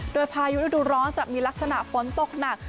โดยพายุฤดูร้อนจะมีลักษณะฝนตกหนัก